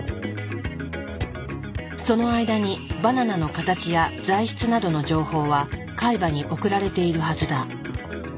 その間にバナナの形や材質などの情報は海馬に送られているはずだ。